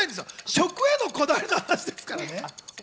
食へのこだわりの話ですからね。